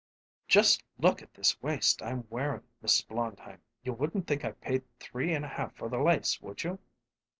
"Just look at this waist I'm wearin', Mrs. Blondheim. You wouldn't think I paid three and a half for the lace, would you?"